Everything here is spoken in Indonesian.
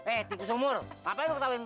eh tikus umur ngapain lu ketawain gue